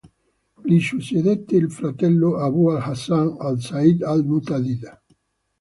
Gli succedette il fratello Abu al-Hasan al-Sa'id al-Mu'tadid.